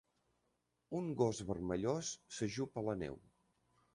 Un gos vermellós s'ajup a la neu.